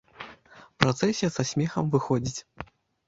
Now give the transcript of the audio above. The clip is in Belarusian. Працэсія са смехам выходзіць.